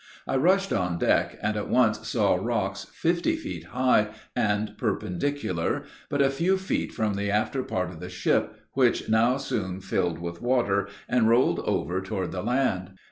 I rushed on deck, and at once saw rocks fifty feet high, and perpendicular, but a few feet from the after part of the ship, which now soon filled with water, and rolled over toward the land.